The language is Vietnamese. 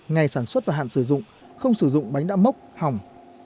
ngày sản xuất và hạn sử dụng không sử dụng bánh đã mốc hỏng